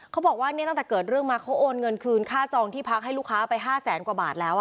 เขาบอกว่าเนี่ยตั้งแต่เกิดเรื่องมาเขาโอนเงินคืนค่าจองที่พักให้ลูกค้าไป๕แสนกว่าบาทแล้ว